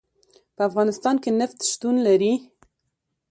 په افغانستان کې نفت شتون لري.